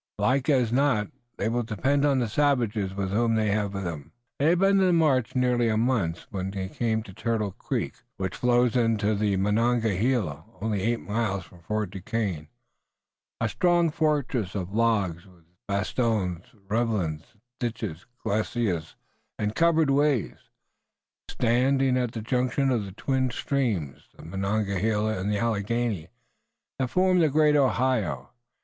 Like as not they will depend on the savages, whom they have with them." They had been on the march nearly a month when they came to Turtle Creek, which flows into the Monongahela only eight miles from Fort Duquesne a strong fortress of logs with bastions, ravelins, ditch, glacis and covered ways, standing at the junction of the twin streams, the Monongahela and the Alleghany, that form the great Ohio.